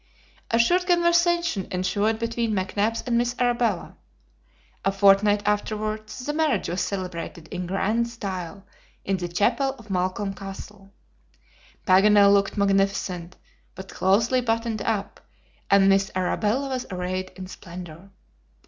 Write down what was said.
A short conversation ensued between McNabbs and Miss Arabella. A fortnight afterwards, the marriage was celebrated in grand style in the chapel of Malcolm Castle. Paganel looked magnificent, but closely buttoned up, and Miss Arabella was arrayed in splendor.